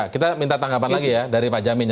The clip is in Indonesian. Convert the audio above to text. kita minta tanggapan lagi ya dari pak jamin ya